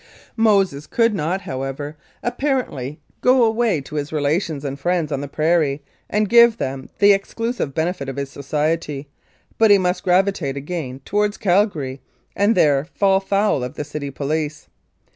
Moses could not, however, apparently go away to his I 121 Mounted Police Life in Canada relations and friends on the prairie, and give them the exclusive benefit of his society, but he must gravitate again towards Calgary and there fall foul of the City Police.